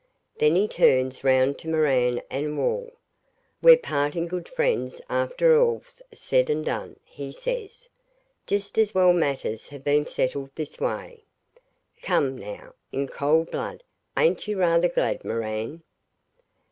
Then he turns round to Moran and Wall 'We're parting good friends after all's said and done,' he says. 'Just as well matters have been settled this way. Come, now, in cool blood, ain't you rather glad, Moran?'